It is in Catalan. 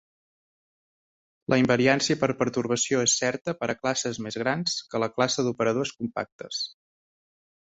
La invariància per pertorbació és certa per a classes més grans que la classe d'operadors compactes.